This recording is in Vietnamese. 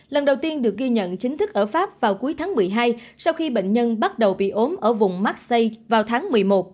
lần đầu tiên được ghi nhận chính thức ở pháp vào cuối tháng một mươi hai sau khi bệnh nhân bắt đầu bị ốm ở vùng maxi vào tháng một mươi một